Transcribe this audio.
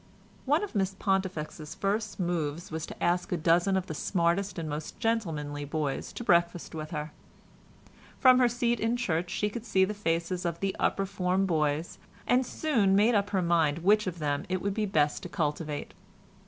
One of Miss Pontifex's first moves was to ask a dozen of the smartest and most gentlemanly boys to breakfast with her. From her seat in church she could see the faces of the upper form boys, and soon made up her mind which of them it would be best to cultivate.